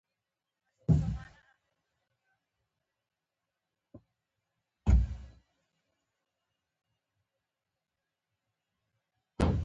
نیکه د کورنۍ د ټولو ستونزو د حل لپاره تل هڅه کوي.